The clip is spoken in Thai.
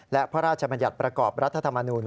และพระราชบัญญัติประกอบรัฐธรรมนูล